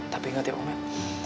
tapi ingat ya om ed